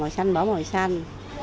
màu xanh bỏ màu xanh